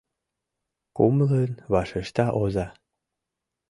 — Кумылын вашешта оза.